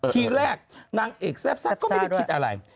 ทีแรกนางเอกแซ่บก็ไม่ได้คิดอะไร